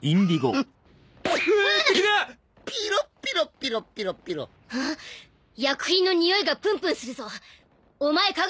フッうーわ敵だッピーロピロピロピロあっ薬品のにおいがプンプンするぞお前科学者だな？